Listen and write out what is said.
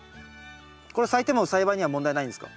これ咲いても栽培には問題ないんですか？